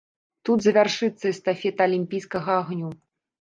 Тут завяршыцца эстафета алімпійскага агню.